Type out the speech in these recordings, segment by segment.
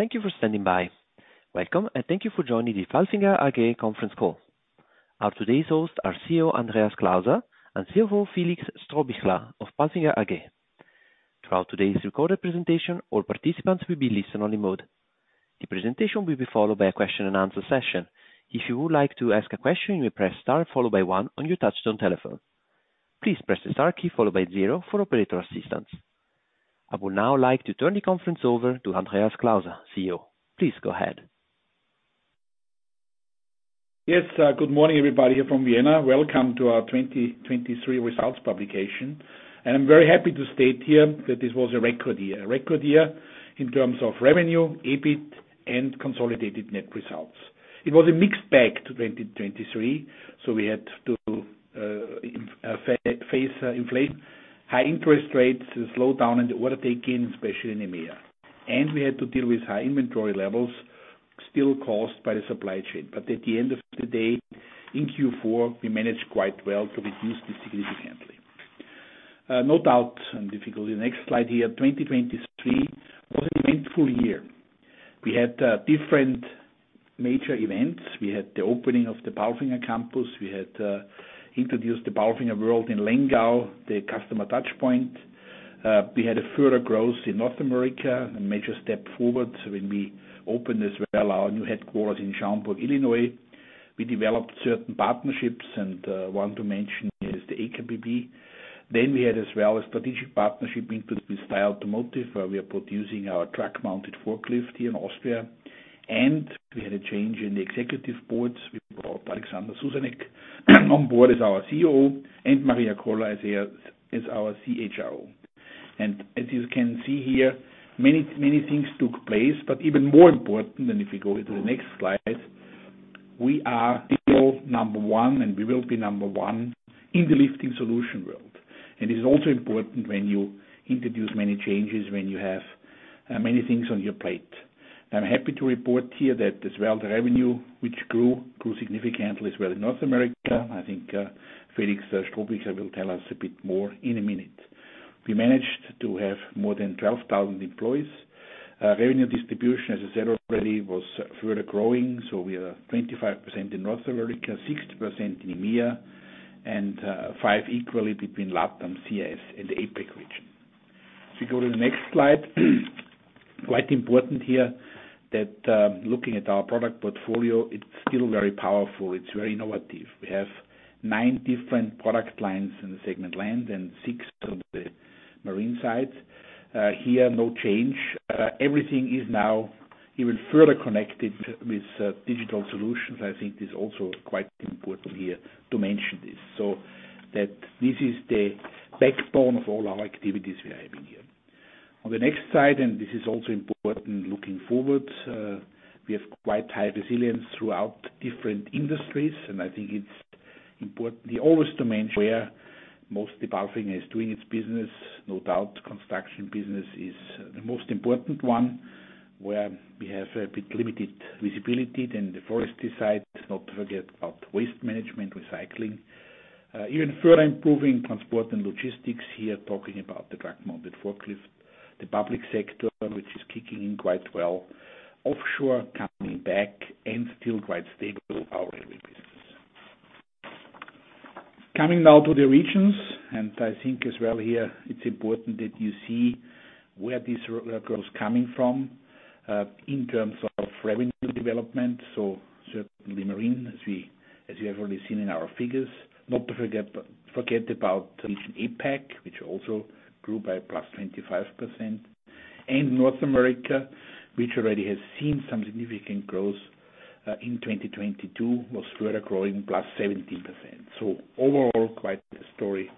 Thank you for standing by. Welcome, and thank you for joining the Palfinger AG conference call. Our today's hosts are CEO Andreas Klauser and CFO Felix Strohbichler of Palfinger AG. Throughout today's recorded presentation, all participants will be in listen-only mode. The presentation will be followed by a question-and-answer session. If you would like to ask a question, you may press star followed by one on your touch-tone telephone. Please press the star key followed by zero for Operator Assistance. I would now like to turn the conference over to Andreas Klauser, CEO. Please go ahead. Yes, good morning, everybody here from Vienna. Welcome to our 2023 results publication. I'm very happy to state here that this was a record year, a record year in terms of revenue, EBIT, and consolidated net results. It was a mixed bag to 2023, so we had to face high interest rates, slowdown in the order take-in, especially in EMEA. We had to deal with high inventory levels still caused by the supply chain. At the end of the day, in Q4, we managed quite well to reduce this significantly. No doubt. Difficulty. The next slide here. 2023 was an eventful year. We had different major events. We had the opening of the Palfinger Campus. We had introduced the Palfinger World in Lengau, the customer touchpoint. We had further growth in North America, a major step forward. So when we opened as well our new headquarters in Schaumburg, Illinois, we developed certain partnerships. And one to mention is the Aker BP. Then we had as well a strategic partnership into. With Steyr Automotive, where we are producing our truck-mounted forklift here in Austria. And we had a change in the executive boards. We brought Alexander Susanek on board as our COO and Maria Koller as our CHRO. And as you can see here, many, many things took place. But even more important than if we go here to the next slide, we are CEO number one, and we will be number one in the lifting solution world. And this is also important when you introduce many changes, when you have many things on your plate. I'm happy to report here that as well the revenue, which grew, grew significantly as well in North America. I think Felix Strohbichler will tell us a bit more in a minute. We managed to have more than 12,000 employees. Revenue distribution, as I said already, was further growing. We are 25% in North America, 60% in EMEA, and 5% equally between LATAM, CIS, and the APEC region. If we go to the next slide, quite important here that looking at our product portfolio, it's still very powerful. It's very innovative. We have nine different product lines in the segment land and six on the marine side. Here, no change. Everything is now even further connected. With digital solutions. I think this is also quite important here to mention this, so that this is the backbone of all our activities we are having here. On the next slide, and this is also important looking forward, we have quite high resilience throughout different industries. And I think it's important always to where mostly Palfinger is doing its business. No doubt construction business is the most important one, where we have a bit limited visibility than the forestry side. Not to forget about waste management, recycling. Even further improving transport and logistics here, talking about the truck-mounted forklift, the public sector, which is kicking in quite well, offshore coming back, and still quite stable, our railway business. Coming now to the regions, and I think as well here, it's important that you see where this growth is coming from in terms of revenue development. So certainly marine, as you have already seen in our figures. Not to forget about region APEC, which also grew by +25%. And North America, which already has seen some significant growth in 2022, was further growing +17%. So overall, quite a story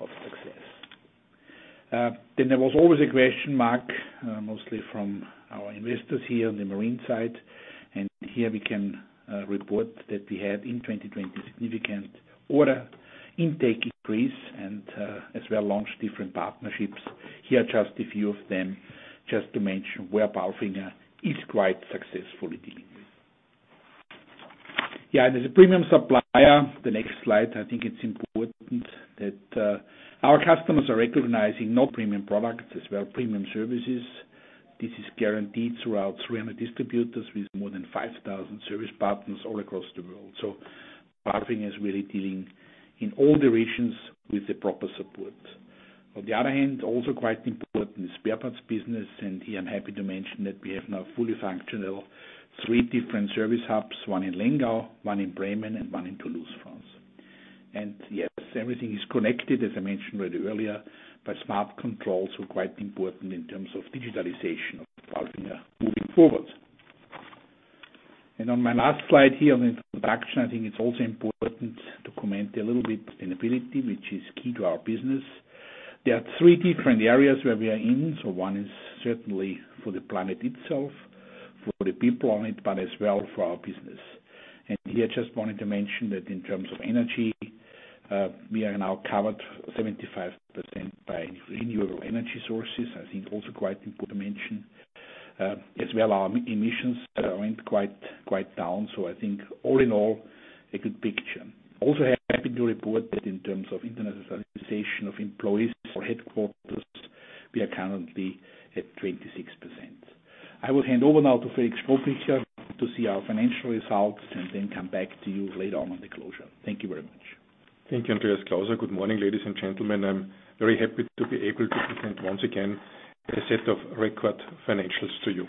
of success. Then there was always a question mark, mostly from our investors here on the marine side. And here we can report that we had in 2020 significant order intake increase and as well launched different partnerships. Here are just a few of them, just to mention where Palfinger is quite successfully dealing with. Yeah, and as a premium supplier, the next slide, I think it's important that our customers are recognizing not premium products as well as premium services. This is guaranteed throughout 300 distributors with more than 5,000 service partners all across the world. So Palfinger is really dealing in all the regions with the proper support. On the other hand, also quite important is spare parts business. And here I'm happy to mention that we have now fully functional three different service hubs, one in Lengau, one in Bremen, and one in Toulouse, France. And yes, everything is connected, as I mentioned already earlier, by smart controls, so quite important in terms of digitalization of Palfinger moving forward. And on my last slide here on the introduction, I think it's also important to comment a little bit. Sustainability, which is key to our business. There are three different areas where we are in. So one is certainly for the planet itself, for the people on it, but as well for our business. And here I just wanted to mention that in terms of energy, we are now covered 75% by renewable energy sources. I think also quite important to mention. As well, our emissions went quite down. So I think all in all, a good picture. Also happy to report that in terms of internationalization of employees. Headquarters, we are currently at 26%. I will hand over now to Felix Strohbichler to see our financial results and then come back to you later on the closure. Thank you very much. Thank you, Andreas Klauser. Good morning, ladies and gentlemen. I'm very happy to be able to present once again a set of record financials to you.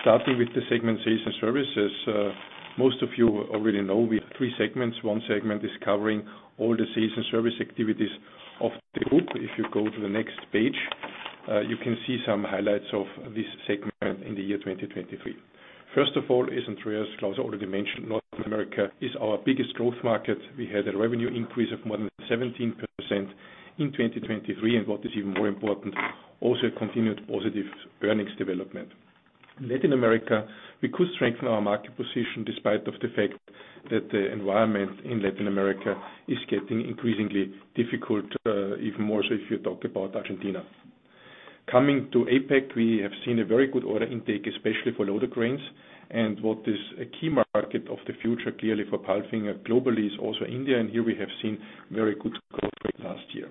Starting with the segment sales and services, most of you already know. Three segments. One segment is covering all the sales and service activities of the group. If you go to the next page, you can see some highlights of this segment in the year 2023. First of all, as Andreas Klauser already mentioned, North America is our biggest growth market. We had a revenue increase of more than 17% in 2023. What is even more important also a continued positive earnings development. In Latin America, we could strengthen our market position despite the fact that the environment in Latin America is getting increasingly difficult, even more so if you talk about Argentina. Coming to APEC, we have seen a very good order intake, especially for loader cranes. What is a key market of the future, clearly for Palfinger globally, is also India. And here we have seen very good growth rate last year.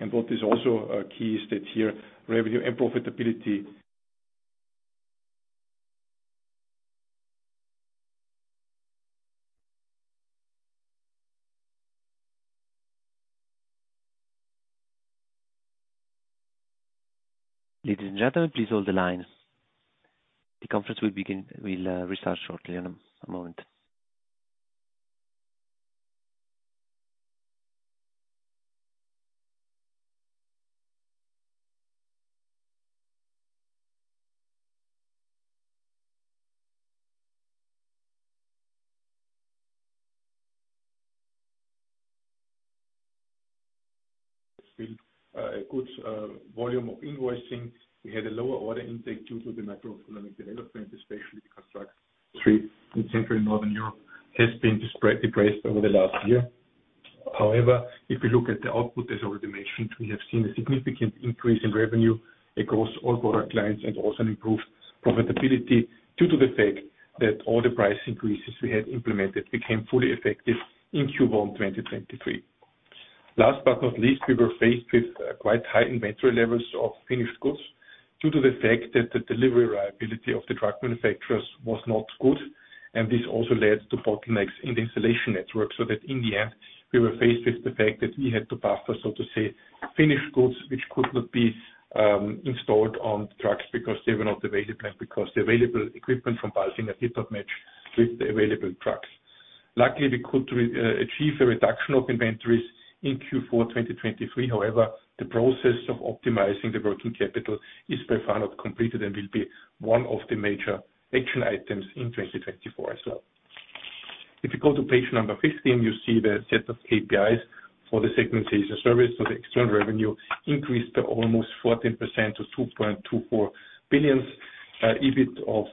And what is also key is that here, revenue and profitability. Ladies and gentlemen, please hold the line. The conference will restart shortly. In a moment. Has been a good volume of invoicing. We had a lower order intake due to the macroeconomic development, especially because truck industry in central and northern Europe has been depressed over the last year. However, if we look at the output, as already mentioned, we have seen a significant increase in revenue across all product lines and also an improved profitability due to the fact that all the price increases we had implemented became fully effective in Q1 2023. Last but not least, we were faced with quite high inventory levels of finished goods due to the fact that the delivery reliability of the truck manufacturers was not good. And this also led to bottlenecks in the installation network. So that in the end, we were faced with the fact that we had to buffer, so to say, finished goods which could not be installed on trucks because they were not available, and because the available equipment from Palfinger did not match with the available trucks. Luckily, we could achieve a reduction of inventories in Q4 2023. However, the process of optimizing the working capital is by far not completed and will be one of the major action items in 2024 as well. If you go to page number 15, you see the set of KPIs for the segment sales and service. So the external revenue increased by almost 14% to 2.24 billion. EBIT of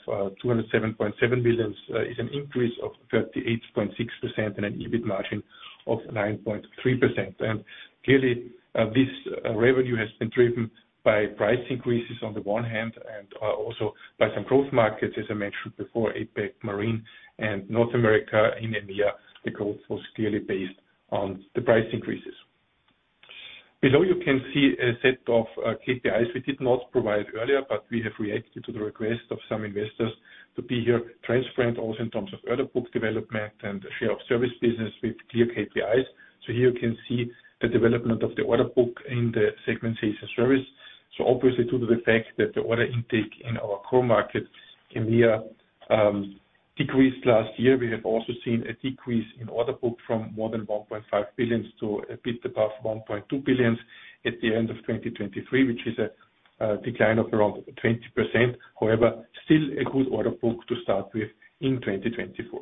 207.7 million is an increase of 38.6% and an EBIT margin of 9.3%. And clearly, this revenue has been driven by price increases on the one hand and also by some growth markets, as I mentioned before, APEC, marine, and North America in EMEA. The growth was clearly based on the price increases. Below, you can see a set of KPIs we did not provide earlier, but we have reacted to the request of some investors to be here transparent, also in terms of order book development and share of service business with clear KPIs. So here you can see the development of the order book in the segment sales and service. So obviously, due to the fact that the order intake in our core market, EMEA, decreased last year, we have also seen a decrease in order book from more than 1.5 billion to a bit above 1.2 billion at the end of 2023, which is a decline of around 20%. However, still a good order book to start with in 2024.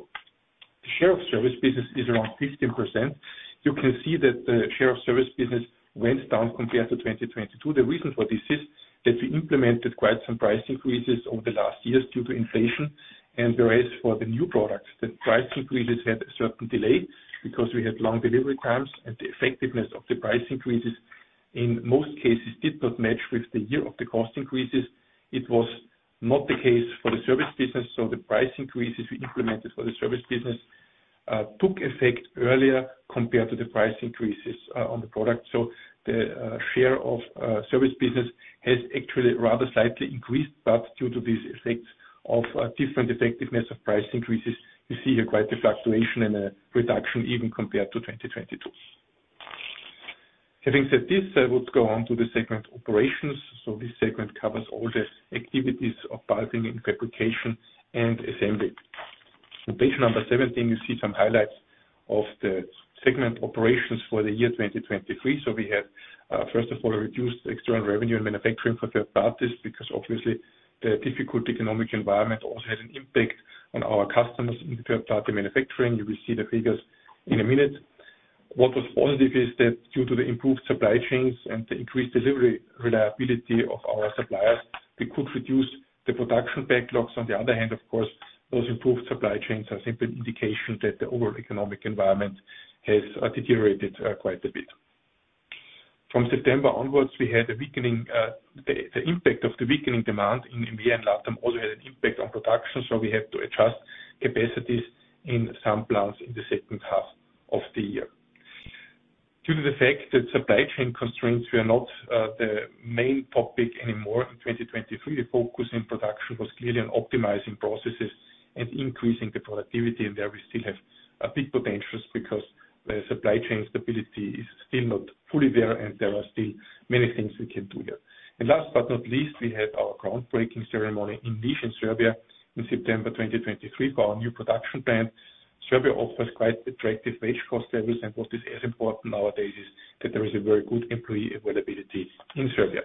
The share of service business is around 15%. You can see that the share of service business went down compared to 2022. The reason for this is that we implemented quite some price increases over the last years due to inflation. Whereas for the new products, the price increases had a certain delay because we had long delivery times, and the effectiveness of the price increases in most cases did not match with the year of the cost increases. It was not the case for the service business. The price increases we implemented for the service business took effect earlier compared to the price increases on the product. The share of service business has actually rather slightly increased. But due to these effects of different effectiveness of price increases, you see here quite the fluctuation and a reduction even compared to 2022. Having said this, I would go on to the segment operations. So this segment covers all the activities of Palfinger in fabrication and assembly. On page number 17, you see some highlights of the segment operations for the year 2023. So we have, first of all, reduced external revenue and manufacturing for third parties because obviously, the difficult economic environment also had an impact on our customers in third-party manufacturing. You will see the figures in a minute. What was positive is that due to the improved supply chains and the increased delivery reliability of our suppliers, we could reduce the production backlogs. On the other hand, of course, those improved supply chains are simply an indication that the overall economic environment has deteriorated quite a bit. From September onwards, we had a weakening. The impact of the weakening demand in EMEA and LATAM also had an impact on production. So we had to adjust capacities in some plants in the second half of the year. Due to the fact that supply chain constraints were not the main topic anymore in 2023, the focus in production was clearly on optimizing processes and increasing the productivity. And there we still have a big potential because the supply chain stability is still not fully there. And there are still many things we can do here. And last but not least, we had our groundbreaking ceremony in Niš, in Serbia, in September 2023 for our new production plant. Serbia offers quite attractive wage cost levels. What is as important nowadays is that there is a very good employee availability in Serbia.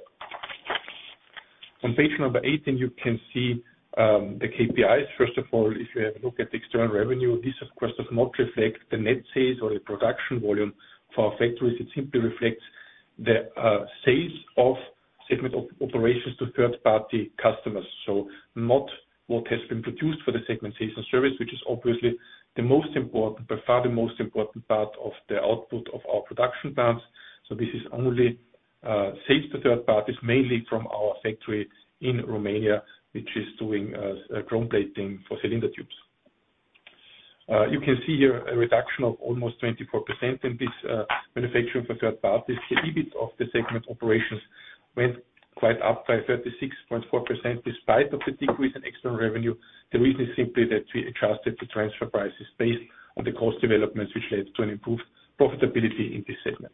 On page 18, you can see the KPIs. First of all, if you have a look at the external revenue, this, of course, does not reflect the net sales or the production volume for our factories. It simply reflects the sales of segment operations to third-party customers. So, not what has been produced for the segment sales and service, which is obviously the most important, by far the most important part of the output of our production plants. So this is only sales to third parties, mainly from our factory in Romania, which is doing chrome plating for cylinder tubes. You can see here a reduction of almost 24% in this manufacturing for third parties. The EBIT of the segment operations went quite up by 36.4% despite the decrease in external revenue. The reason is simply that we adjusted the transfer prices based on the cost developments, which led to an improved profitability in this segment.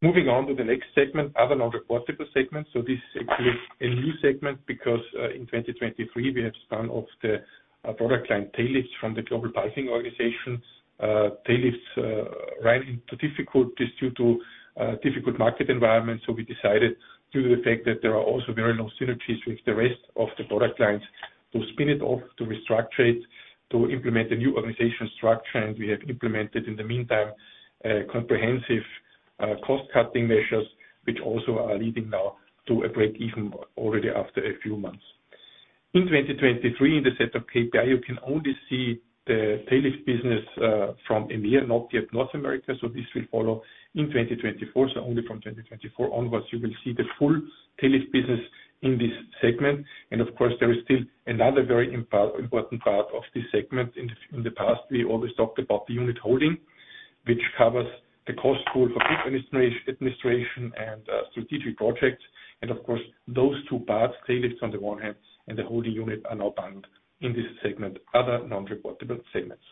Moving on to the next segment, other non-reportable segments. So this is actually a new segment because in 2023, we have spun off the product line Tail Lifts from the Global Palfinger Organization. Tail Lifts ran into difficulties due to difficult market environments. So we decided, due to the fact that there are also very low synergies with the rest of the product lines, to spin it off, to restructure, to implement a new organization structure. And we have implemented in the meantime comprehensive cost-cutting measures, which also are leading now to a break-even already after a few months. In 2023, in the set of KPI, you can only see the Tail Lifts business from EMEA, not yet North America. So this will follow in 2024. So only from 2024 onwards, you will see the full Tail Lift business in this segment. Of course, there is still another very important part of this segment. In the past, we always talked about the unit holding, which covers the cost pool for group administration and strategic projects. Of course, those two parts, Tail Lifts on the one hand and the holding unit, are now bundled in this segment, other non-reportable segments.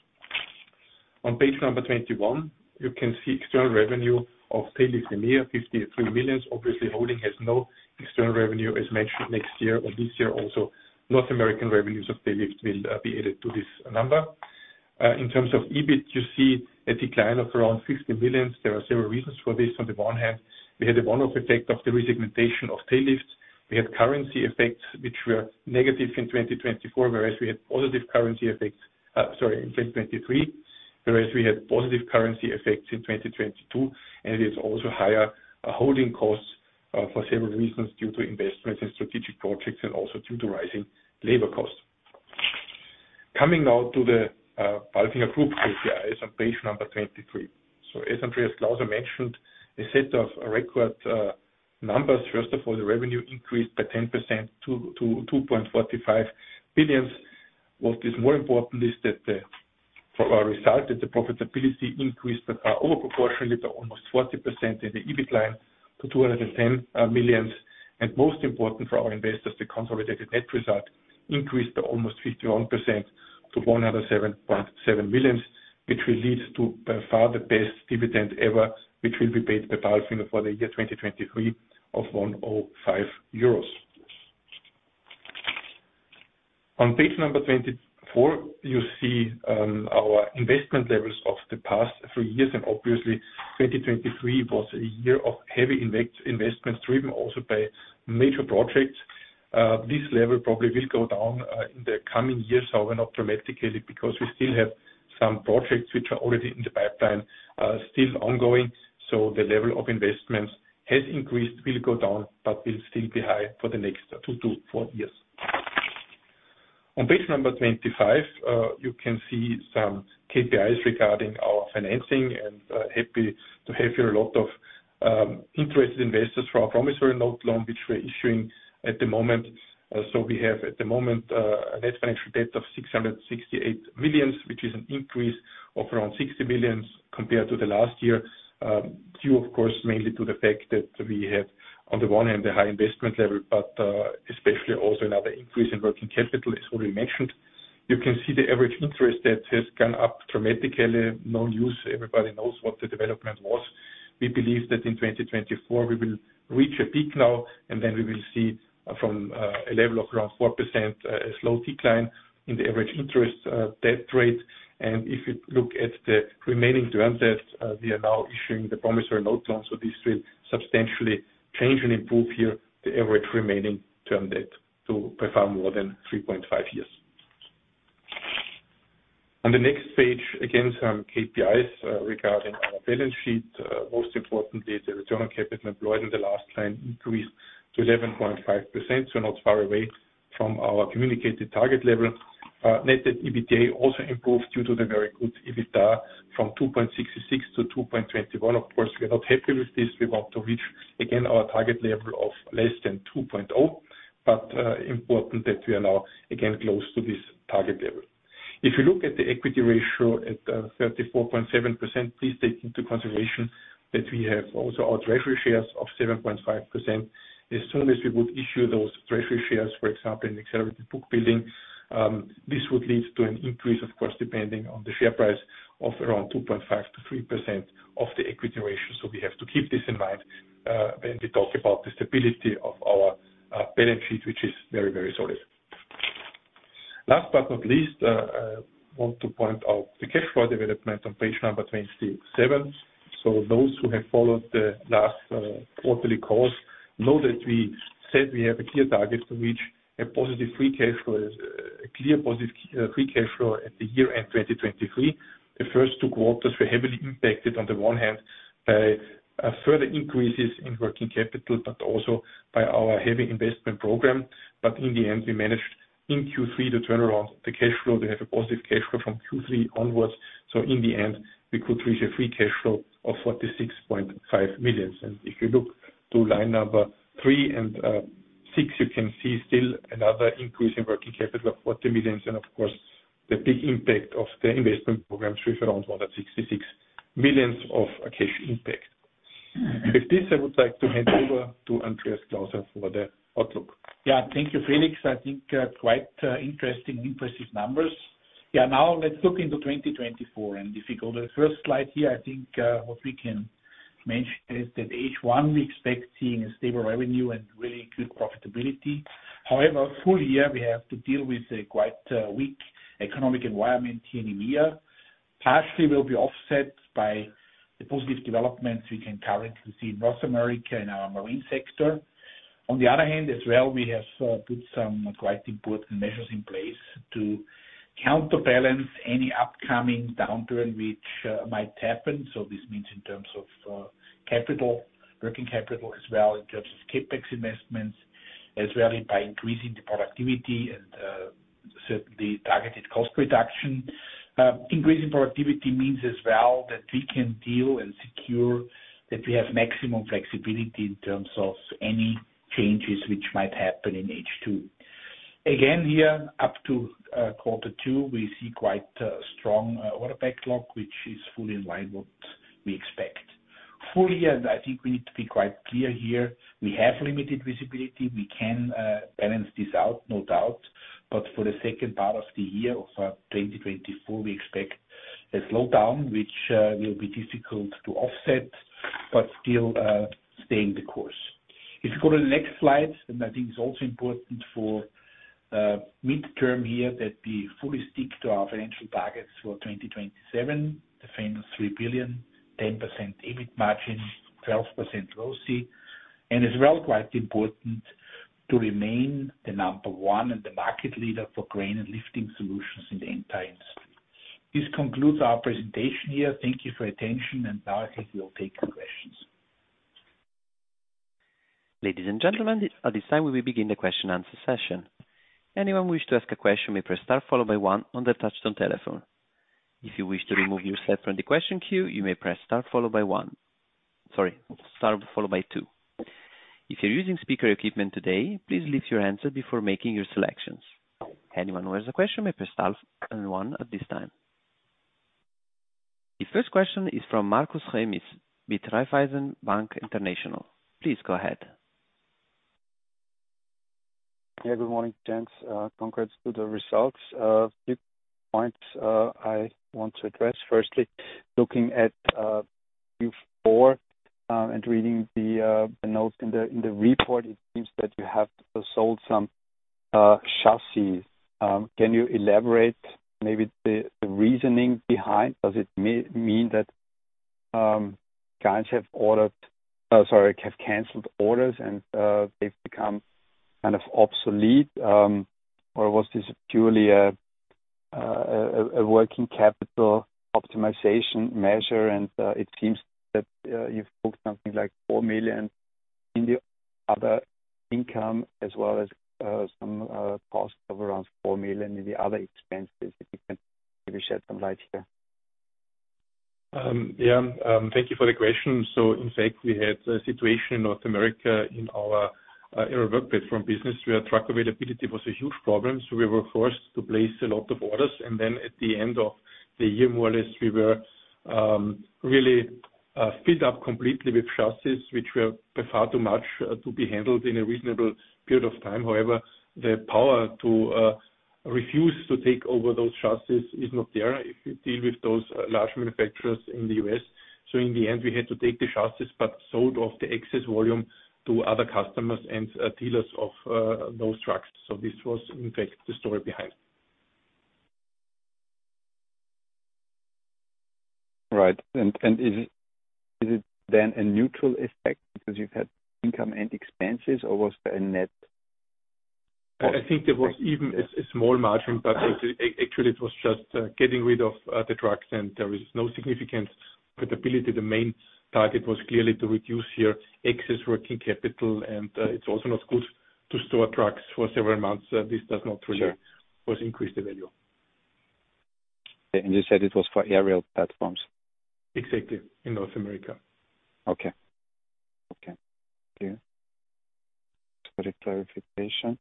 On page 21, you can see external revenue of Tail Lift EMEA, 53 million. Obviously, holding has no external revenue, as mentioned, next year or this year also. North American revenues of Tail Lifts will be added to this number. In terms of EBIT, you see a decline of around 50 million. There are several reasons for this. On the one hand, we had a one-off effect of the resegmentation of Tail Lifts. We had currency effects, which were negative in 2024, whereas we had positive currency effects sorry, in 2023. Whereas we had positive currency effects in 2022. And it is also higher holding costs for several reasons, due to investments in strategic projects and also due to rising labor costs. Coming now to the Palfinger Group KPIs on page 23. So, as Andreas Klauser mentioned, a set of record numbers. First of all, the revenue increased by 10% to 2.45 billion. What is more important is that the result that the profitability increased over-proportionately by almost 40% in the EBIT line to 210 million. And most important for our investors, the consolidated net result increased by almost 51% to 107.7 million, which will lead to by far the best dividend ever, which will be paid by Palfinger for the year 2023 of 105 euros. On page 24, you see our investment levels of the past three years. Obviously, 2023 was a year of heavy investments, driven also by major projects. This level probably will go down in the coming years. However, not dramatically because we still have some projects which are already in the pipeline, still ongoing. The level of investments has increased, will go down, but will still be high for the next two to four years. On page 25, you can see some KPIs regarding our financing. Happy to have here a lot of interested investors for our promissory note loan, which we're issuing at the moment. So we have at the moment a net financial debt of 668 million, which is an increase of around 60 million compared to the last year, due, of course, mainly to the fact that we had on the one hand a high investment level, but especially also another increase in Working Capital, as already mentioned. You can see the average interest debt has gone up dramatically. No news. Everybody knows what the development was. We believe that in 2024, we will reach a peak now. And then we will see from a level of around 4% a slow decline in the average interest debt rate. And if you look at the remaining term debt, we are now issuing the promissory note loan. So this will substantially change and improve here the average remaining term debt to by far more than 3.5 years. On the next page, again, some KPIs regarding our balance sheet. Most importantly, the return on capital employed in the last line increased to 11.5%. So not far away from our communicated target level. Net debt EBITDA also improved due to the very good EBITDA from 2.66%-2.21%. Of course, we are not happy with this. We want to reach, again, our target level of less than 2.0%. But important that we are now, again, close to this target level. If you look at the equity ratio at 34.7%, please take into consideration that we have also our treasury shares of 7.5%. As soon as we would issue those treasury shares, for example, in accelerated book building, this would lead to an increase, of course, depending on the share price, of around 2.5%-3% of the equity ratio. So we have to keep this in mind when we talk about the stability of our balance sheet, which is very, very solid. Last but not least, I want to point out the cash flow development on page 27. So those who have followed the last quarterly calls know that we said we have a clear target to reach, a positive free cash flow, a clear positive free cash flow at the year-end 2023. The first two quarters were heavily impacted on the one hand by further increases in working capital, but also by our heavy investment program. But in the end, we managed in Q3 to turn around the cash flow. We have a positive cash flow from Q3 onwards. So in the end, we could reach a free cash flow of 46.5 million. If you look to line number three and six, you can see still another increase in working capital of 40 million. Of course, the big impact of the investment programs with around 166 million of cash impact. With this, I would like to hand over to Andreas Klauser for the outlook. Yeah. Thank you, Felix. I think quite interesting and impressive numbers. Yeah. Now, let's look into 2024. If you go to the first slide here, I think what we can mention is that H1, we expect seeing a stable revenue and really good profitability. However, full year, we have to deal with a quite weak economic environment here in EMEA, partially will be offset by the positive developments we can currently see in North America in our marine sector. On the other hand, as well, we have put some quite important measures in place to counterbalance any upcoming downturn which might happen. So this means in terms of capital, working capital as well, in terms of CapEx investments, as well by increasing the productivity and certainly targeted cost reduction. Increasing productivity means as well that we can deal and secure that we have maximum flexibility in terms of any changes which might happen in H2. Again, here, up to quarter two, we see quite strong order backlog, which is fully in line with what we expect. Full year, I think we need to be quite clear here. We have limited visibility. We can balance this out, no doubt. But for the second part of the year of 2024, we expect a slowdown, which will be difficult to offset, but still staying the course. If you go to the next slide, and I think it's also important for midterm here that we fully stick to our financial targets for 2027, the famous 3 billion, 10% EBIT margin, 12% ROCE. And as well, quite important to remain the number one and the market leader for crane and lifting solutions in the entire industry. This concludes our presentation here. Thank you for your attention. And now, I think we'll take questions. Ladies and gentlemen, at this time, we will begin the question-and-answer session. Anyone who wish to ask a question may press star, followed by one, on their touch-tone telephone. If you wish to remove yourself from the question queue, you may press star, followed by one sorry, star, followed by two. If you're using speaker equipment today, please lift your handset before making your selections. Anyone who has a question may press star, and one at this time. The first question is from Markus Remis with Raiffeisen Bank International. Please go ahead. Yeah. Good morning, gents. Congrats to the results. A few points I want to address. Firstly, looking at Q4 and reading the notes in the report, it seems that you have sold some chassis. Can you elaborate maybe the reasoning behind? Does it mean that clients have ordered sorry, have canceled orders, and they've become kind of obsolete? Or was this purely a working capital optimization measure? And it seems that you've booked something like 4 million in the other income as well as some costs of around 4 million in the other expenses. If you can, maybe shed some light here. Yeah. Thank you for the question. So in fact, we had a situation in North America in our Aerial Work Platforms business where truck availability was a huge problem. So we were forced to place a lot of orders. And then at the end of the year, more or less, we were really filled up completely with chassis, which were by far too much to be handled in a reasonable period of time. However, the power to refuse to take over those chassis is not there if you deal with those large manufacturers in the U.S. So in the end, we had to take the chassis but sold off the excess volume to other customers and dealers of those trucks. So this was, in fact, the story behind. Right. Is it then a neutral effect because you've had income and expenses, or was there a net? I think there was even a small margin. But actually, it was just getting rid of the trucks. And there was no significant profitability. The main target was clearly to reduce the excess working capital. And it's also not good to store trucks for several months. This does not really increase the value. You said it was for Aerial Platforms? Exactly, in North America. Okay. Okay. Thank you. That's a good clarification.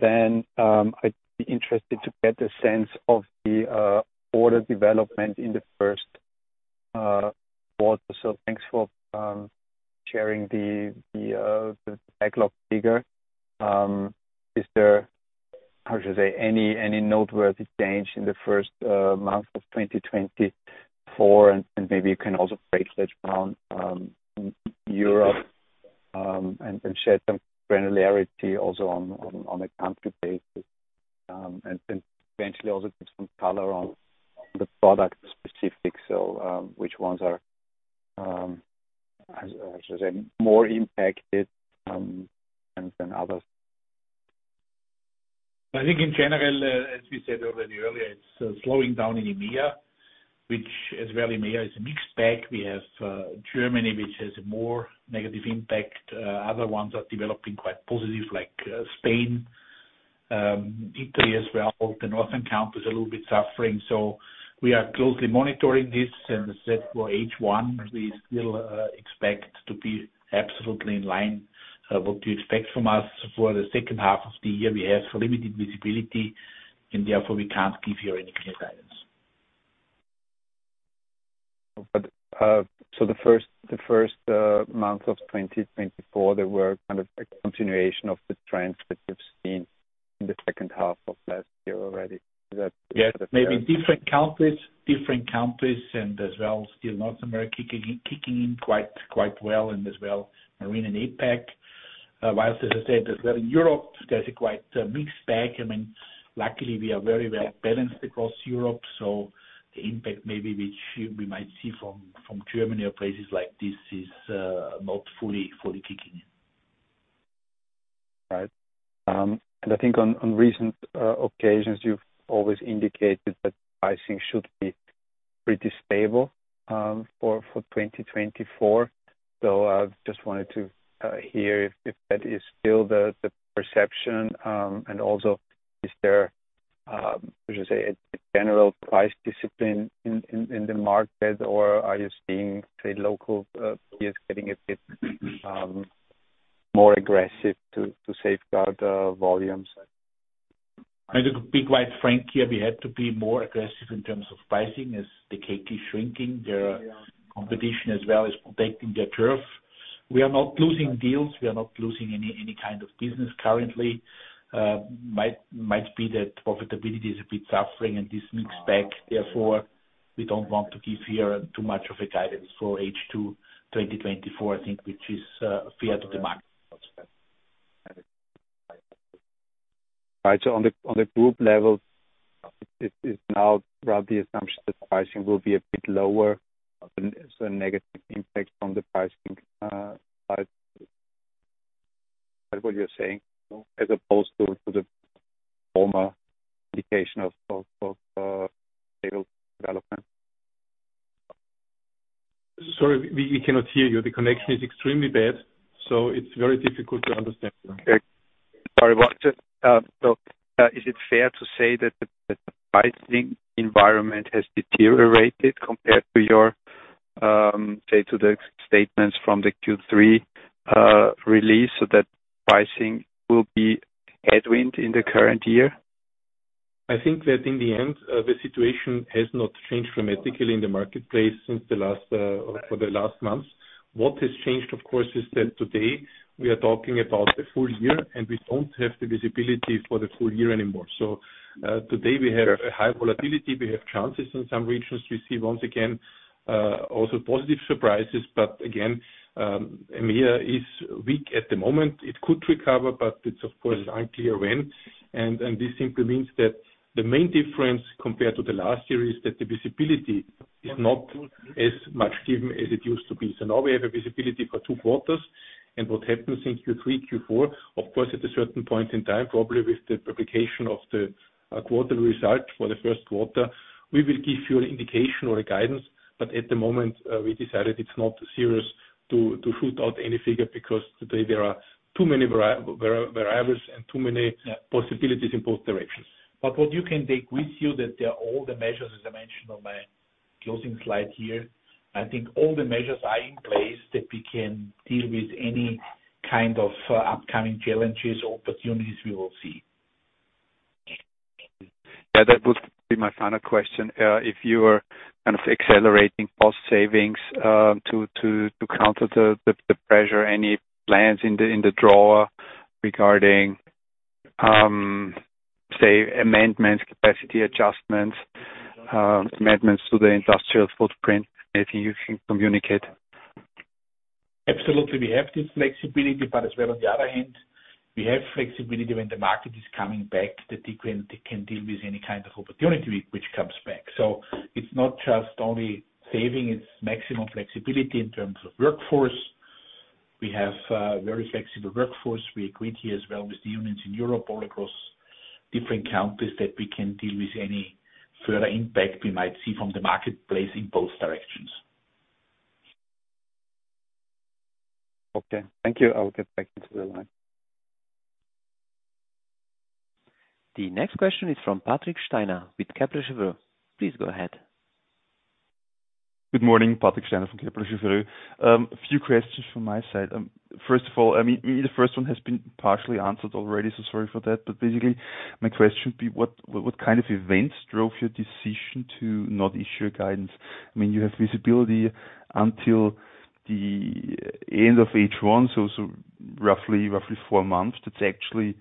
Then I'd be interested to get a sense of the order development in the first quarter. So thanks for sharing the backlog figure. Is there, how should I say, any noteworthy change in the first month of 2024? And maybe you can also break that down in Europe and share some granularity also on a country basis, and eventually also put some color on the product specifics, so which ones are, how should I say, more impacted than others. I think in general, as we said already earlier, it's slowing down in EMEA, which, as well, EMEA is a mixed bag. We have Germany, which has a more negative impact. Other ones are developing quite positive, like Spain, Italy as well. The northern countries are a little bit suffering. So we are closely monitoring this. And as said for H1, we still expect to be absolutely in line. What do you expect from us? For the second half of the year, we have limited visibility. And therefore, we can't give here any clear guidance. So the first month of 2024, there were kind of a continuation of the trends that you've seen in the second half of last year already. Is that the first? Yeah. Maybe different countries. Different countries. And as well, still North America kicking in quite well and as well marine and APEC. While, as I said, as well, in Europe, there's a quite mixed bag. I mean, luckily, we are very well balanced across Europe. So the impact maybe which we might see from Germany or places like this is not fully kicking in. Right. I think on recent occasions, you've always indicated that pricing should be pretty stable for 2024. I just wanted to hear if that is still the perception. Also, is there, how should I say, a general price discipline in the market? Or are you seeing, say, local peers getting a bit more aggressive to safeguard volumes? To be quite frank here, we had to be more aggressive in terms of pricing as the cake is shrinking, their competition as well as protecting their turf. We are not losing deals. We are not losing any kind of business currently. Might be that profitability is a bit suffering in this mixed bag. Therefore, we don't want to give here too much of a guidance for H2 2024, I think, which is fair to the market. Right. So on the group level, it's now roughly assumption that pricing will be a bit lower, so a negative impact from the pricing side. Is that what you're saying as opposed to the former indication of stable development? Sorry. We cannot hear you. The connection is extremely bad. It's very difficult to understand. Sorry. So is it fair to say that the pricing environment has deteriorated compared to your say, to the statements from the Q3 release, so that pricing will be headwind in the current year? I think that in the end, the situation has not changed dramatically in the marketplace for the last months. What has changed, of course, is that today, we are talking about the full year. And we don't have the visibility for the full year anymore. So today, we have high volatility. We have chances in some regions to receive, once again, also positive surprises. But again, EMEA is weak at the moment. It could recover. But it's, of course, unclear when. And this simply means that the main difference compared to the last year is that the visibility is not as much given as it used to be. So now, we have a visibility for two quarters. What happens in Q3, Q4, of course, at a certain point in time, probably with the publication of the quarterly result for the first quarter, we will give you an indication or a guidance. At the moment, we decided it's not serious to shoot out any figure because today, there are too many variables and too many possibilities in both directions. But what you can take with you, that they're all the measures, as I mentioned on my closing slide here, I think all the measures are in place that we can deal with any kind of upcoming challenges or opportunities we will see. Yeah. That would be my final question. If you were kind of accelerating cost savings to counter the pressure, any plans in the drawer regarding, say, amendments, capacity adjustments, amendments to the industrial footprint, anything you can communicate? Absolutely. We have this flexibility. But as well, on the other hand, we have flexibility when the market is coming back that we can deal with any kind of opportunity which comes back. So it's not just only saving. It's maximum flexibility in terms of workforce. We have a very flexible workforce. We agreed here as well with the unions in Europe, all across different countries, that we can deal with any further impact we might see from the marketplace in both directions. Okay. Thank you. I will get back into the line. The next question is from Patrick Steiner with Kepler Cheuvreux. Please go ahead. Good morning, Patrick Steiner from Kepler Cheuvreux. A few questions from my side. First of all, I mean, the first one has been partially answered already. So sorry for that. But basically, my question would be, what kind of events drove your decision to not issue a guidance? I mean, you have visibility until the end of H1, so roughly four months. That's actually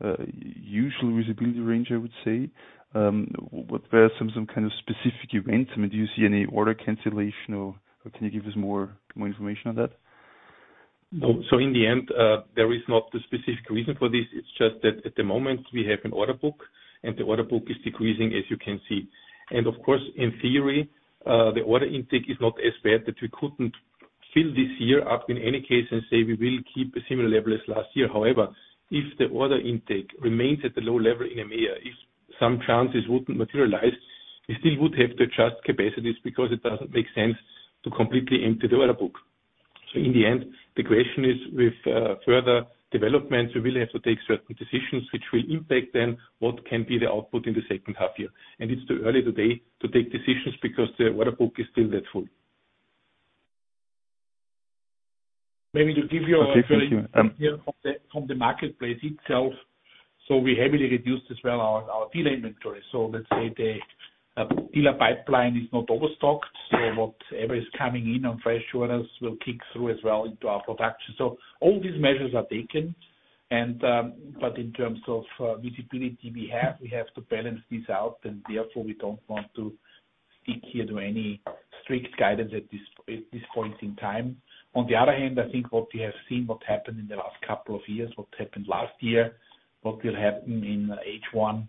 a usual visibility range, I would say. What were some kind of specific events? I mean, do you see any order cancellation, or can you give us more information on that? No. In the end, there is not a specific reason for this. It's just that at the moment, we have an order book. The order book is decreasing, as you can see. Of course, in theory, the order intake is not as bad that we couldn't fill this year up in any case and say we will keep a similar level as last year. However, if the order intake remains at the low level in EMEA, if some chances wouldn't materialize, we still would have to adjust capacities because it doesn't make sense to completely empty the order book. In the end, the question is, with further developments, we will have to take certain decisions which will impact then what can be the output in the second half year. It's too early today to take decisions because the order book is still that full. Maybe to give you a very clear view from the marketplace itself, so we heavily reduced as well our dealer inventory. So let's say the dealer pipeline is not overstocked. So whatever is coming in on fresh orders will kick through as well into our production. So all these measures are taken. But in terms of visibility we have, we have to balance this out. And therefore, we don't want to stick here to any strict guidance at this point in time. On the other hand, I think what you have seen, what happened in the last couple of years, what happened last year, what will happen in H1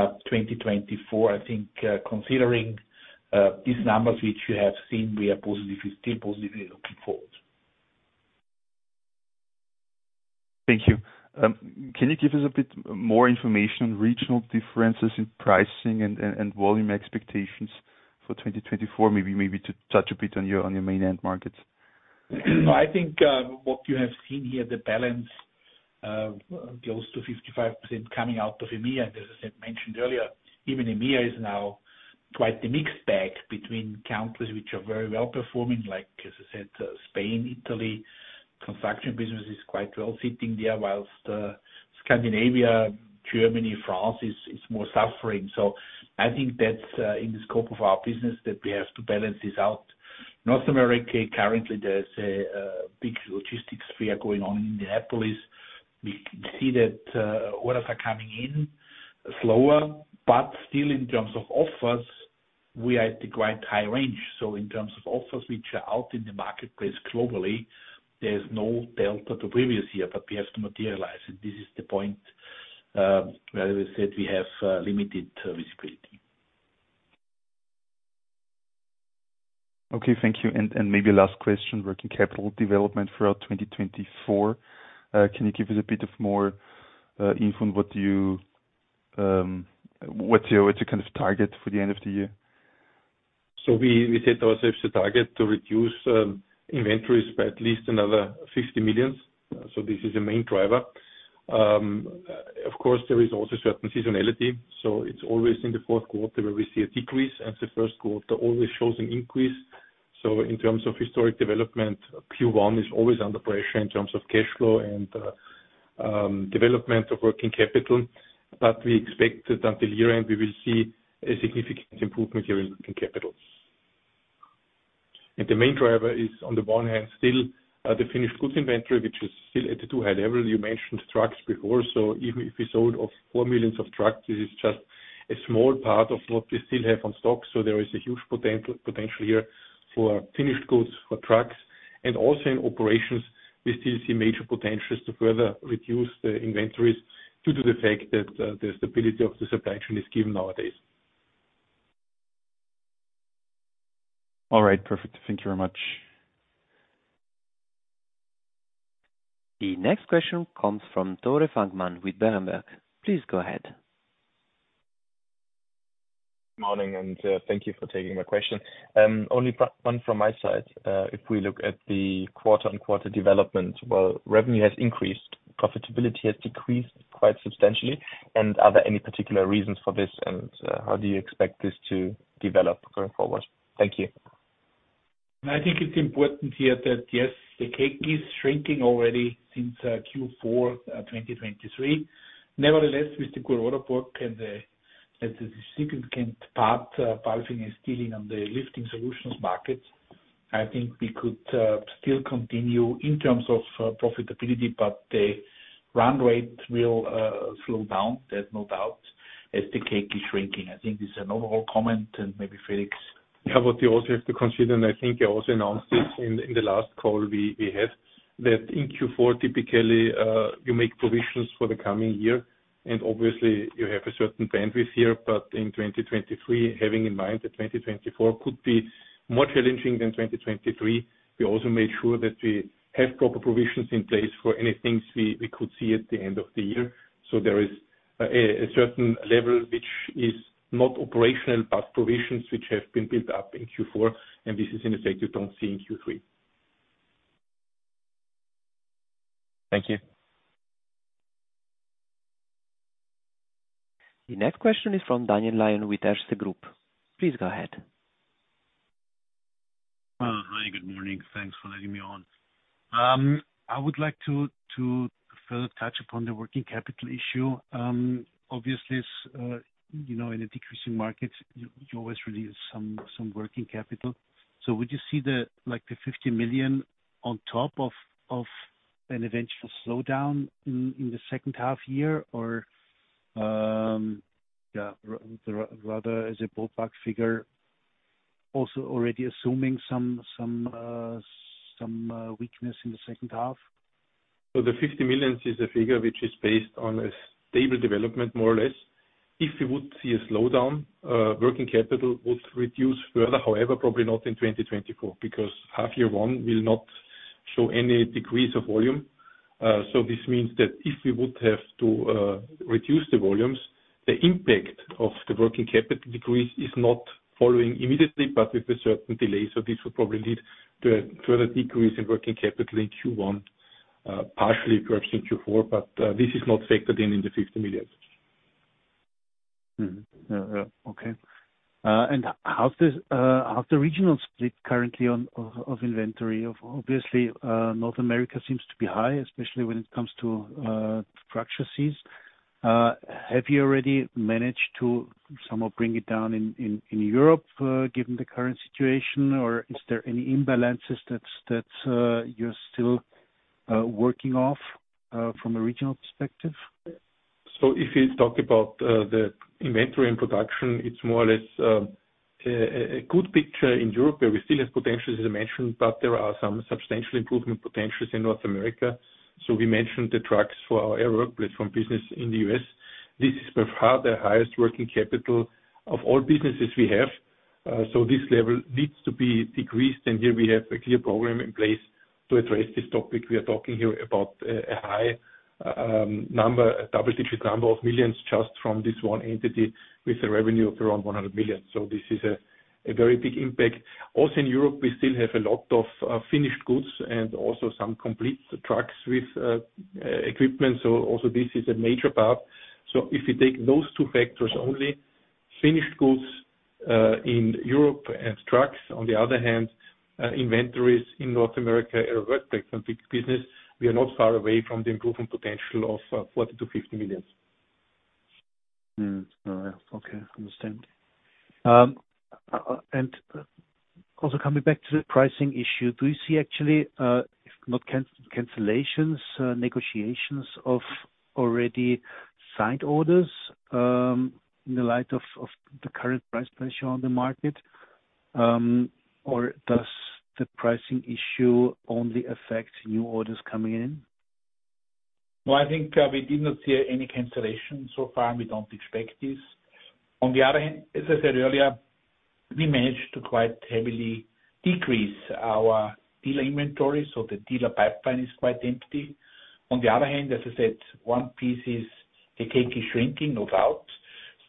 2024, I think considering these numbers which you have seen, we are still positively looking forward. Thank you. Can you give us a bit more information on regional differences in pricing and volume expectations for 2024, maybe to touch a bit on your main end markets? No. I think what you have seen here, the balance goes to 55% coming out of EMEA. And as I said, mentioned earlier, even EMEA is now quite a mixed bag between countries which are very well performing, like as I said, Spain, Italy. Construction business is quite well sitting there, while Scandinavia, Germany, France is more suffering. So I think that's in the scope of our business that we have to balance this out. North America, currently, there's a big logistics fear going on in Indianapolis. We see that orders are coming in slower. But still, in terms of offers, we are at the quite high range. So in terms of offers which are out in the marketplace globally, there's no delta to previous year. But we have to materialize. And this is the point where, as I said, we have limited visibility. Okay. Thank you. And maybe last question, working capital development for 2024. Can you give us a bit of more info on what's your kind of target for the end of the year? So we set ourselves a target to reduce inventories by at least another 50 million. So this is a main driver. Of course, there is also certain seasonality. So it's always in the Q4 where we see a decrease. And the Q1 always shows an increase. So in terms of historic development, Q1 is always under pressure in terms of cash flow and development of working capital. But we expect that until year-end, we will see a significant improvement here in working capital. And the main driver is, on the one hand, still the finished goods inventory, which is still at a too high level. You mentioned trucks before. So even if we sold 4 million trucks, this is just a small part of what we still have on stock. So there is a huge potential here for finished goods, for trucks. And also in operations, we still see major potentials to further reduce the inventories due to the fact that the stability of the supply chain is given nowadays. All right. Perfect. Thank you very much. The next question comes from Tore Fangmann with Berenberg. Please go ahead. Good morning. Thank you for taking my question. Only one from my side. If we look at the quarter-on-quarter development, well, revenue has increased. Profitability has decreased quite substantially. Are there any particular reasons for this? How do you expect this to develop going forward? Thank you. I think it's important here that, yes, the cake is shrinking already since Q4 2023. Nevertheless, with the good order book and the significant part Palfinger is stealing on the lifting solutions markets, I think we could still continue in terms of profitability. But the run rate will slow down. There's no doubt as the cake is shrinking. I think this is an overall comment. And maybe Felix. Yeah. What you also have to consider, and I think I also announced this in the last call we had, that in Q4, typically, you make provisions for the coming year. And obviously, you have a certain bandwidth here. But in 2023, having in mind that 2024 could be more challenging than 2023, we also made sure that we have proper provisions in place for any things we could see at the end of the year. So there is a certain level which is not operational, but provisions which have been built up in Q4. And this is, in effect, you don't see in Q3. Thank you. The next question is from Daniel Lion with Erste Group. Please go ahead. Hi. Good morning. Thanks for letting me on. I would like to further touch upon the working capital issue. Obviously, in a decreasing market, you always release some working capital. So would you see the 50 million on top of an eventual slowdown in the second half year? Or yeah, rather as a ballpark figure, also already assuming some weakness in the second half? The 50 million is a figure which is based on a stable development, more or less. If we would see a slowdown, Working Capital would reduce further. However, probably not in 2024 because half year one will not show any decrease of volume. So this means that if we would have to reduce the volumes, the impact of the Working Capital decrease is not following immediately but with a certain delay. So this would probably lead to a further decrease in Working Capital in Q1, partially perhaps in Q4. But this is not factored in in the 50 million. Yeah. Yeah. Okay. And how's the regional split currently of inventory? Obviously, North America seems to be high, especially when it comes to forklifts. Have you already managed to somehow bring it down in Europe, given the current situation? Or is there any imbalances that you're still working off from a regional perspective? So if we talk about the inventory and production, it's more or less a good picture in Europe, where we still have potentials, as I mentioned. But there are some substantial improvement potentials in North America. So we mentioned the trucks for our Aerial Work Platforms business in the U.S. This is perhaps the highest working capital of all businesses we have. So this level needs to be decreased. And here, we have a clear program in place to address this topic. We are talking here about a high number, a double-digit number of millions, just from this one entity with a revenue of around 100 million. So this is a very big impact. Also in Europe, we still have a lot of finished goods and also some complete trucks with equipment. So also this is a major part. So if we take those two factors only, finished goods in Europe and trucks, on the other hand, inventories in North America, Aerial Work Platforms big business, we are not far away from the improvement potential of 40 million-50 million. Yeah. Okay. Understand. And also coming back to the pricing issue, do you see, actually, if not cancellations, negotiations of already signed orders in the light of the current price pressure on the market? Or does the pricing issue only affect new orders coming in? No. I think we did not see any cancellations so far. We don't expect this. On the other hand, as I said earlier, we managed to quite heavily decrease our dealer inventory. So the dealer pipeline is quite empty. On the other hand, as I said, one piece is the cake is shrinking, no doubt.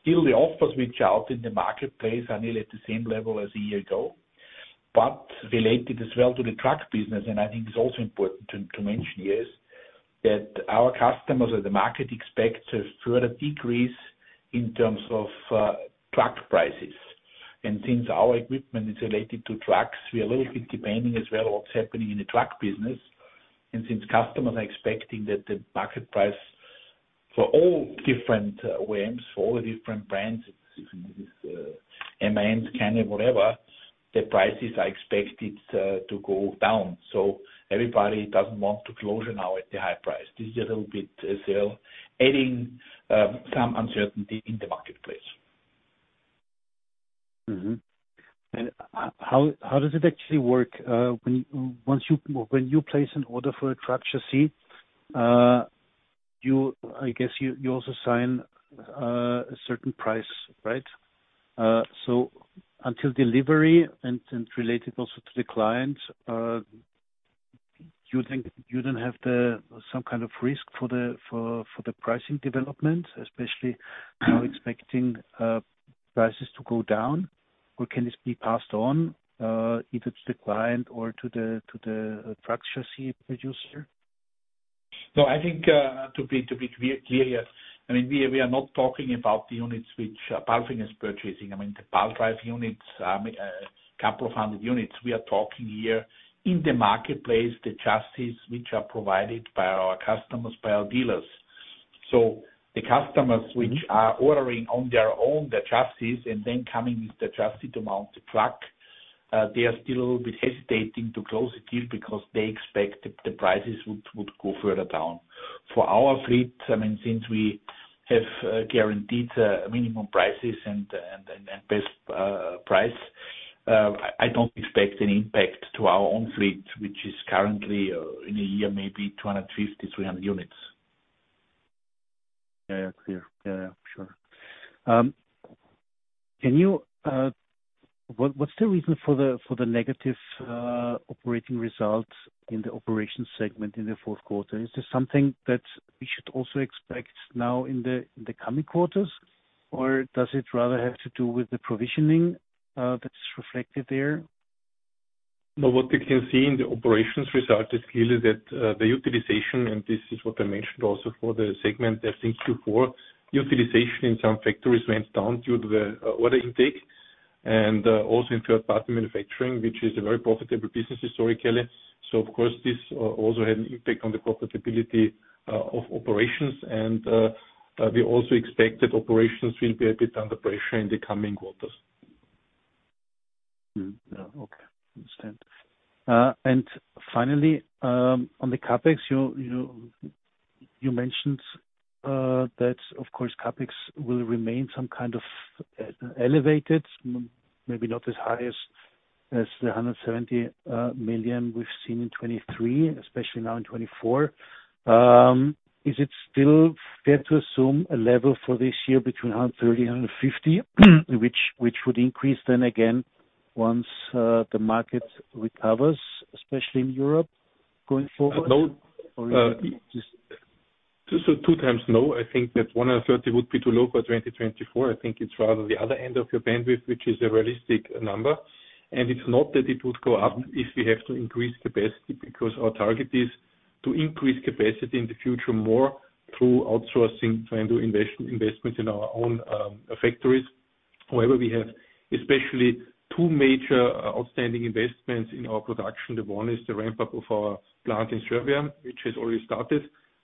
Still, the offers which are out in the marketplace are nearly at the same level as a year ago. But related as well to the truck business, and I think it's also important to mention, yes, that our customers or the market expect a further decrease in terms of truck prices. And since our equipment is related to trucks, we are a little bit depending as well on what's happening in the truck business. Since customers are expecting that the market price for all different OEMs, for all the different brands, if it is MAN, Scania, whatever, the prices are expected to go down. So everybody doesn't want to close now at the high price. This is a little bit as well, adding some uncertainty in the marketplace. How does it actually work? Once you place an order for a forklift, I guess you also sign a certain price, right? So until delivery and related also to the client, you don't have some kind of risk for the pricing development, especially now expecting prices to go down? Or can this be passed on either to the client or to the forklift producer? No. I think to be clear here, I mean, we are not talking about the units which Palfinger is purchasing. I mean, the ball drive units, a couple of hundred units, we are talking here in the marketplace, the chassis which are provided by our customers, by our dealers. So the customers which are ordering on their own the chassis and then coming with the chassis to mount the truck, they are still a little bit hesitating to close the deal because they expect the prices would go further down. For our fleet, I mean, since we have guaranteed minimum prices and best price, I don't expect any impact to our own fleet, which is currently, in a year, maybe 250, 300 units. Yeah. Yeah. Clear. Yeah. Yeah. Sure. What's the reason for the negative operating results in the operations segment in the fourth quarter? Is this something that we should also expect now in the coming quarters? Or does it rather have to do with the provisioning that's reflected there? No. What you can see in the operations result is clearly that the utilization, and this is what I mentioned also for the segment, I think Q4, utilization in some factories went down due to the order intake. And also in third-party manufacturing, which is a very profitable business historically. So, of course, this also had an impact on the profitability of operations. And we also expect that operations will be a bit under pressure in the coming quarters. Yeah. Okay. Understand. Finally, on the CapEx, you mentioned that, of course, CapEx will remain some kind of elevated, maybe not as high as the 170 million we've seen in 2023, especially now in 2024. Is it still fair to assume a level for this year between 130 million-150 million, which would increase then again once the market recovers, especially in Europe, going forward? Or is it? No. So two times no. I think that 130 would be too low for 2024. I think it's rather the other end of your bandwidth, which is a realistic number. And it's not that it would go up if we have to increase capacity because our target is to increase capacity in the future more through outsourcing, trying to investments in our own factories. However, we have especially two major outstanding investments in our production. The one is the ramp-up of our plant in Serbia, which has already started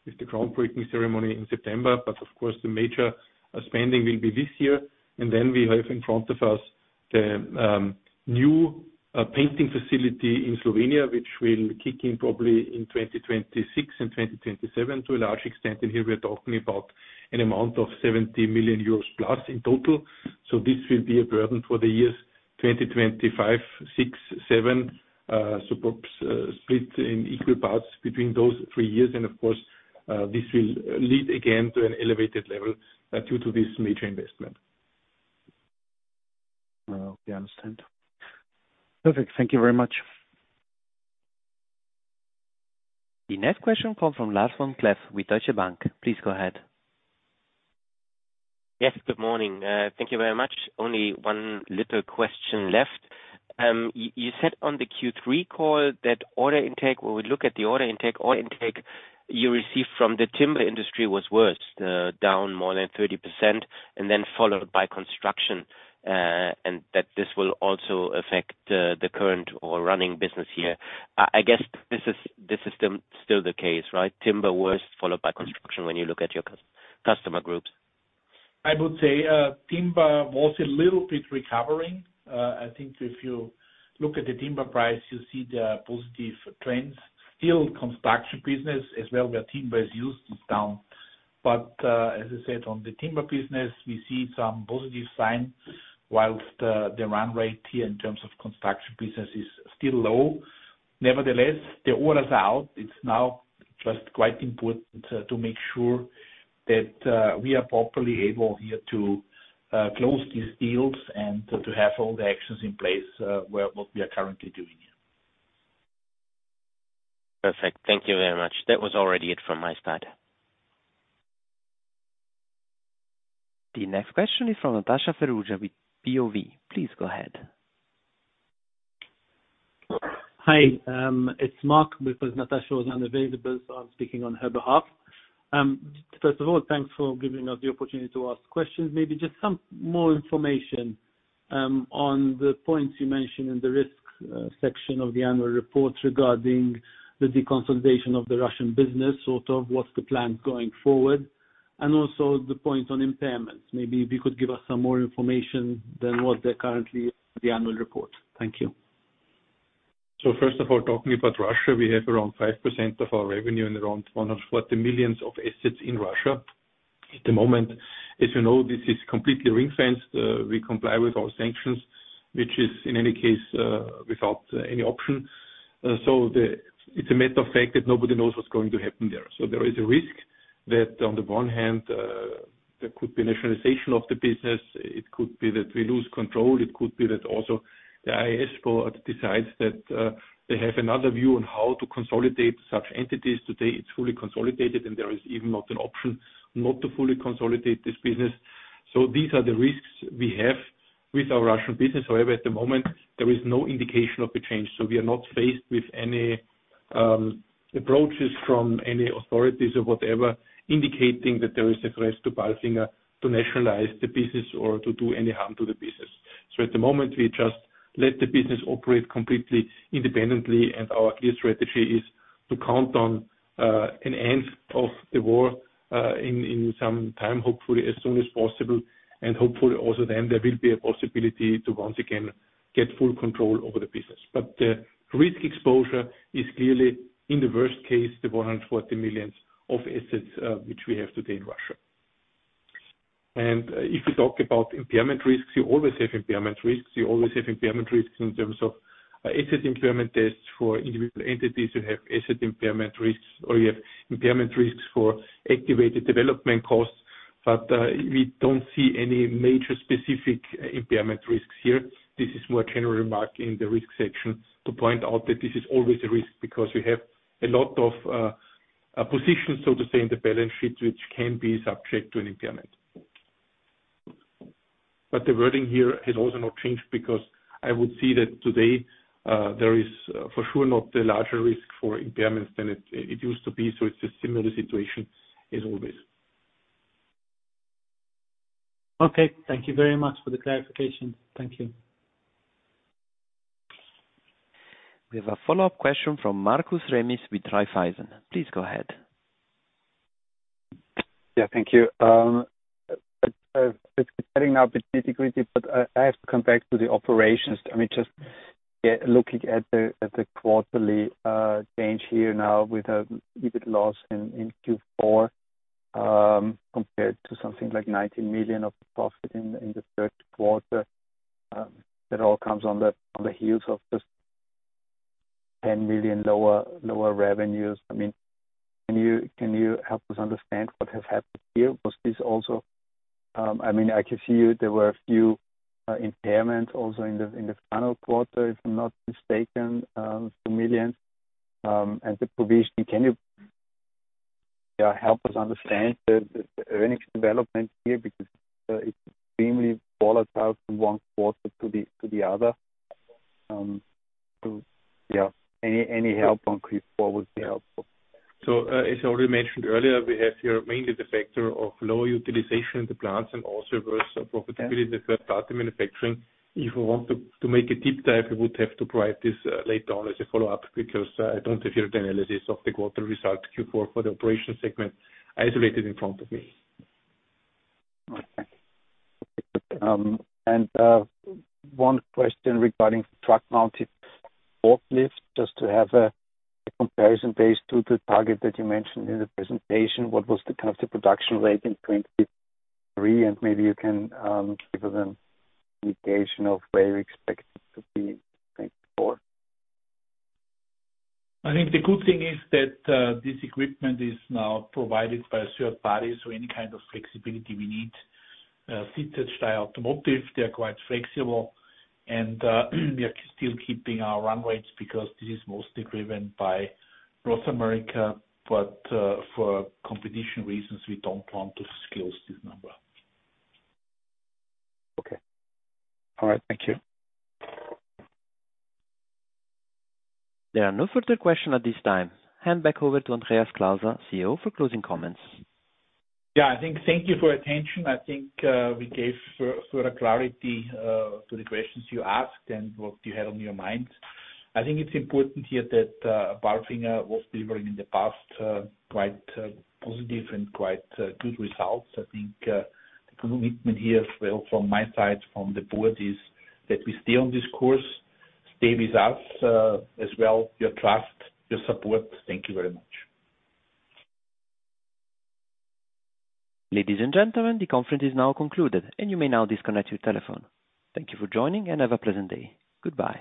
with the groundbreaking ceremony in September. But of course, the major spending will be this year. And then we have in front of us the new painting facility in Slovenia, which will kick in probably in 2026 and 2027 to a large extent. And here, we are talking about an amount of 70 million euros plus in total. So this will be a burden for the years 2025, 2026, 2027, so perhaps split in equal parts between those three years. And of course, this will lead again to an elevated level due to this major investment. Yeah. Understand. Perfect. Thank you very much. The next question comes from Lars vom Cleff with Deutsche Bank. Please go ahead. Yes. Good morning. Thank you very much. Only one little question left. You said on the Q3 call that order intake, when we look at the order intake, order intake you received from the timber industry was worse, down more than 30%, and then followed by construction, and that this will also affect the current or running business here. I guess this is still the case, right? Timber worse, followed by construction, when you look at your customer groups? I would say timber was a little bit recovering. I think if you look at the timber price, you see the positive trends. Still, construction business, as well, where timber is used, is down. But as I said, on the timber business, we see some positive sign whilst the run rate here in terms of construction business is still low. Nevertheless, the orders are out. It's now just quite important to make sure that we are properly able here to close these deals and to have all the actions in place what we are currently doing here. Perfect. Thank you very much. That was already it from my side. The next question is from Natasha Ferrugia with BOV. Please go ahead. Hi. It's Mark, because Natasha was unavailable. So I'm speaking on her behalf. First of all, thanks for giving us the opportunity to ask questions. Maybe just some more information on the points you mentioned in the risk section of the annual report regarding the deconsolidation of the Russian business, sort of what's the plan going forward, and also the point on impairments. Maybe if you could give us some more information than what there currently is in the annual report. Thank you. So first of all, talking about Russia, we have around 5% of our revenue and around 140 million of assets in Russia at the moment. As you know, this is completely ring-fenced. We comply with all sanctions, which is, in any case, without any option. So it's a matter of fact that nobody knows what's going to happen there. So there is a risk that, on the one hand, there could be nationalization of the business. It could be that we lose control. It could be that also the IAS decides that they have another view on how to consolidate such entities. Today, it's fully consolidated. And there is even not an option not to fully consolidate this business. So these are the risks we have with our Russian business. However, at the moment, there is no indication of a change. So we are not faced with any approaches from any authorities or whatever indicating that there is a threat to Palfinger to nationalize the business or to do any harm to the business. So at the moment, we just let the business operate completely independently. And our clear strategy is to count on an end of the war in some time, hopefully as soon as possible. And hopefully, also then, there will be a possibility to once again get full control over the business. But the risk exposure is clearly, in the worst case, the 140 million of assets which we have today in Russia. And if we talk about impairment risks, you always have impairment risks. You always have impairment risks in terms of asset impairment tests for individual entities. You have asset impairment risks, or you have impairment risks for activated development costs. But we don't see any major specific impairment risks here. This is more a general remark in the risk section to point out that this is always a risk because we have a lot of positions, so to say, in the balance sheet which can be subject to an impairment. But the wording here has also not changed because I would see that today, there is for sure not the larger risk for impairments than it used to be. So it's a similar situation as always. Okay. Thank you very much for the clarification. Thank you. We have a follow-up question from Markus Remis with Raiffeisen. Please go ahead. Yeah. Thank you. It's getting now a bit nitty-gritty. But I have to come back to the operations. I mean, just looking at the quarterly change here now with a little bit loss in Q4 compared to something like 19 million of profit in the third quarter, that all comes on the heels of just 10 million lower revenues. I mean, can you help us understand what has happened here? Was this also, I mean, I can see there were a few impairments also in the final quarter, if I'm not mistaken, 2 million. And the provision, can you, yeah, help us understand the earnings development here because it's extremely volatile from one quarter to the other? Yeah. Any help on Q4 would be helpful. So as I already mentioned earlier, we have here mainly the factor of lower utilization in the plants and also worse profitability in the third-party manufacturing. If we want to make a deep dive, we would have to provide this later on as a follow-up because I don't have here the analysis of the quarterly result Q4 for the operations segment isolated in front of me. Okay. Perfect. One question regarding truck-mounted forklift, just to have a comparison based on the target that you mentioned in the presentation. What was kind of the production rate in 2023? Maybe you can give us an indication of where you expect it to be in 2024. I think the good thing is that this equipment is now provided by a third party. So any kind of flexibility we need. Steyr Automotive they are quite flexible. And we are still keeping our run rates because this is mostly driven by North America. But for competition reasons, we don't want to close this number. Okay. All right. Thank you. There are no further questions at this time. Hand back over to Andreas Klauser, CEO, for closing comments. Yeah. I think, thank you for your attention. I think we gave further clarity to the questions you asked and what you had on your mind. I think it's important here that Palfinger was delivering in the past quite positive and quite good results. I think the commitment here, as well, from my side, from the Board, is that we stay on this course, stay with us as well, your trust, your support. Thank you very much. Ladies and gentlemen, the conference is now concluded. You may now disconnect your telephone. Thank you for joining, and have a pleasant day. Goodbye.